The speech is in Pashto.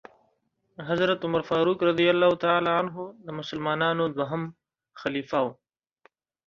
حضرت عمرفاروق رضی الله تعالی عنه د مسلمانانو دوهم خليفه وو .